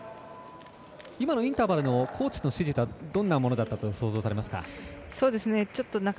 今のインターバルのコーチの指示はどんなものだったと想像されますか？